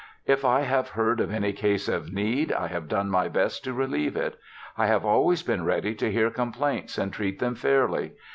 If I have heard of any case of need, I have done my best to relieve it. I have always been ready to hear complaints and treat them fairly.